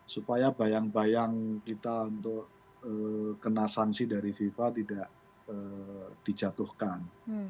supaya bayang bayang kita untuk kena sanksi dari fifa tidak dijatuhkan